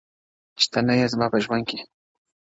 چي ته نه يې زما په ژونــــد كــــــي’